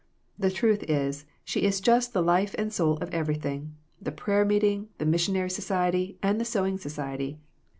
The truth is, she is just the life and soul of every thing the prayer meeting, the missionary soci ety and the sewing society.